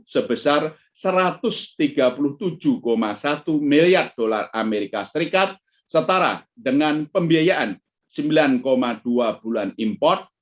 sebesar satu ratus tiga puluh tujuh satu miliar dolar amerika serikat setara dengan pembiayaan sembilan dua bulan import